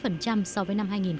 và là mức cao nhất